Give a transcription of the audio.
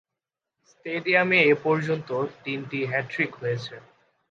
স্টেডিয়ামে এ পর্যন্ত তিনটি হ্যাট্রিক হয়েছে।